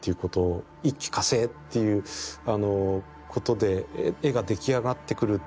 一気かせいっていうことで絵が出来上がってくると。